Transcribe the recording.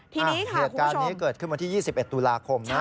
ทีนี้ค่ะคุณผู้ชมเหตุการณ์นี้เกิดขึ้นมาที่๒๑ตุลาคมนะ